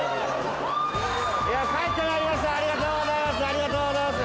ありがとうございます。